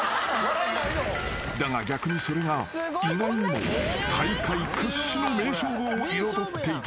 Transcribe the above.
［だが逆にそれが意外にも大会屈指の名勝負を彩っていた］